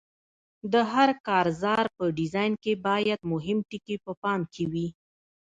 د هر کارزار په ډیزاین کې باید مهم ټکي په پام کې وي.